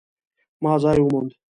ما ځای وموند